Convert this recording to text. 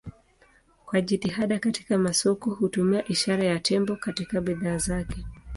Kwa jitihada katika masoko hutumia ishara ya tembo katika bidhaa zake.